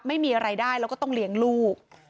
ไม่มีอะไรได้แล้วก็ต้องเลี้ยงลูก